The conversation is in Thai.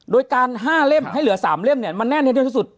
โดยการ๕เล่มให้เหลือ๓เล่มเนี่ยมันแน่นให้ด้วยที่สุด